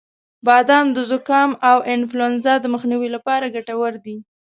• بادام د زکام او انفلونزا د مخنیوي لپاره ګټور دی.